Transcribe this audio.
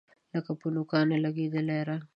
لکه په نوکانو لګیدلی رنګ